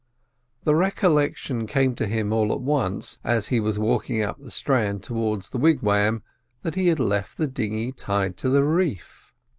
The recollection came to him all at once, as he was walking up the strand towards the wigwam, that he had left the dinghy tied to the reef.